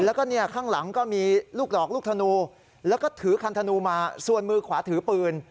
แล้วก็เนี่ยข้างหลังก็มีลูกดอกลูกธนูแล้วก็ถือคันธนูมาส่วนมือขวาถือปืน